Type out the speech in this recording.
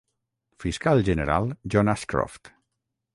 Fiscal general John Ashcroft.